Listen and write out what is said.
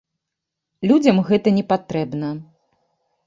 Людзям гэта не патрэбна.